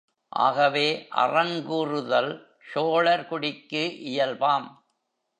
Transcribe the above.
ஆகவே அறங் கூறுதல் சோழர் குடிக்கு இயல்பாம்.